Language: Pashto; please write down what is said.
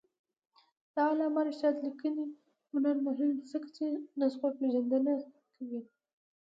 د علامه رشاد لیکنی هنر مهم دی ځکه چې نسخوپېژندنه کوي.